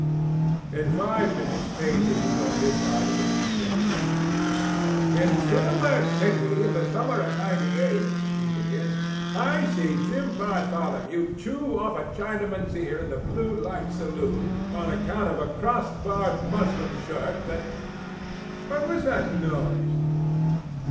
"In five minutes Paisley was on his side of Mrs. Jessup. "'In Silver City, in the summer of '98,' he begins, 'I see Jim Batholomew chew off a Chinaman's ear in the Blue Light Saloon on account of a crossbarred muslin shirt that—what was that noise?